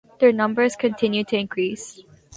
Their numbers continue to increase.